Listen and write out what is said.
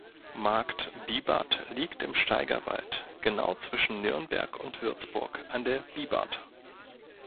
Markt Bibart liegt im Steigerwald genau zwischen Nürnberg und Würzburg an der Bibart.